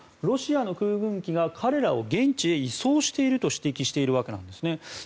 ロシアの空軍機が彼らを現地へ移送していると指摘しているわけなんですね。